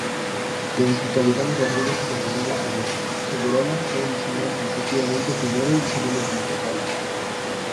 Mientras que Cayetano Rodríguez y Saturnino Segurola fueron designados respectivamente primero y segundo bibliotecario.